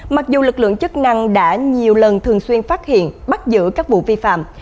mặc dù lực lượng chức năng đã nhiều lần thường xuyên phát hiện bắt giữ các vụ vi phạm